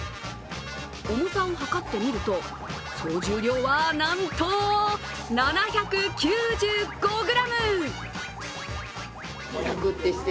重さをはかってみると総重量はなんと７９５ｇ。